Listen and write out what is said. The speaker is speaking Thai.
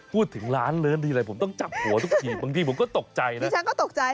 พูดถึงร้านเลิ้นทีอะไรผมต้องจับหัวทุกทีบางทีผมก็ตกใจนะฉันก็ตกใจ